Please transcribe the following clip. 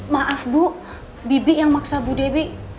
maaf bu bibi yang maksa bu debi